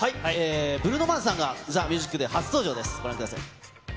ブルーノ・マーズさんが、ＴＨＥＭＵＳＩＣＤＡＹ初登場です。